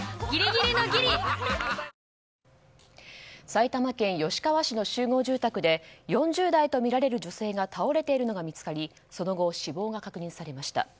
埼玉県吉川市の集合住宅で４０代とみられる女性が倒れているのが見つかりその後、死亡が確認されました。